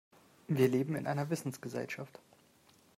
Wir leben in einer Wissensgesellschaft.